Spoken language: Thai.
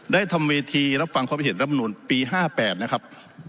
ได้ทำเวทีรับฟังความเผ็ดเห็นรับมนตรีปี๕๘นะครับ